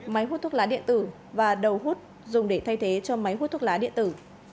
máy hút thuốc lá điện tử và đầu hút dùng để thay thế cho máy hút thuốc lá điện tử